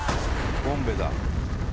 ボンベだ。